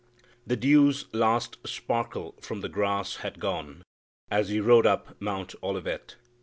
"The dew's last sparkle from the grass had gone As He rode up Mount Olivet.